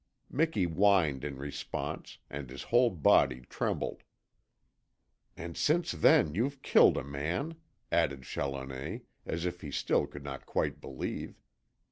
Miki whined in response, and his whole body trembled. "And since then you've killed a man," added Challoner, as if he still could not quite believe.